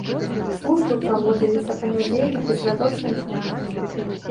Службы праводзіліся па нядзельных і святочных днях.